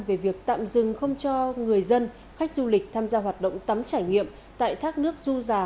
về việc tạm dừng không cho người dân khách du lịch tham gia hoạt động tắm trải nghiệm tại thác nước du già